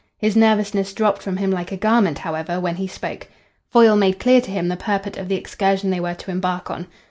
His nervousness dropped from him like a garment, however, when he spoke. Foyle made clear to him the purport of the excursion they were to embark on.